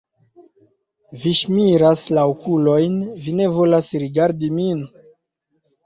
Vi ŝirmas la okulojn, vi ne volas rigardi min!